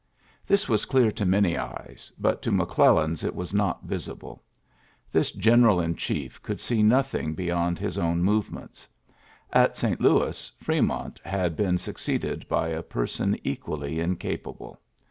This was clear to many eyes, but to McGlellan's it was not visible. This general in chief could see nothing be yond his own movements. At St. Louis, Fremont had been succeeded by a per son equally incapable.